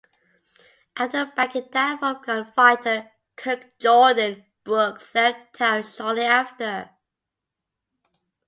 After backing down from gunfighter Kirk Jordan, Brooks left town shortly after.